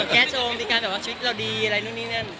แก้ชงมีการแบบว่าชีวิตเราดีอะไรนู่นนี่นั่น